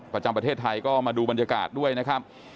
ประจำประเทศไทยก็มาดูบรรยากาศด้วยนะครับ